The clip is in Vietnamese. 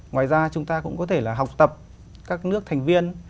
ngoài ra chúng ta cũng có thể là học tập các nước thành viên